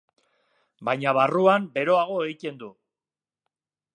Baina barruan beroago egiten du.